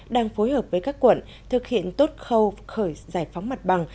đang phối hợp với các quận thực hiện tốt khâu khởi giải phóng mặt bằng